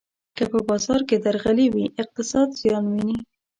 که په بازار کې درغلي وي، اقتصاد زیان ویني.